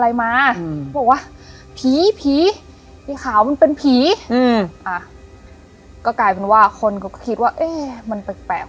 เย้ขาวมันเป็นผีอืมอ่าก็กลายเป็นว่าคนเขาก็คิดว่าเอ๊ะมันแปลกแปลก